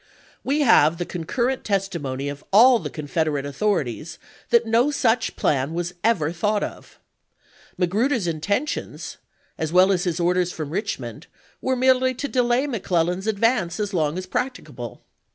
We have the concur rent testimony of all the Confederate authorities that no such plan was ever thought of. Magruder's intentions, as well as his orders from Richmond, were merely to delay McClellan's advance as long as practicable.